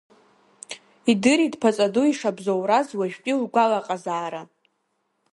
Идырит ԥаҵаду ишабзоураз уажәтәи лгәалаҟазаара.